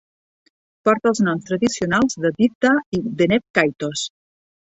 Porta els noms tradicionals de "Diphda" i "Deneb Kaitos".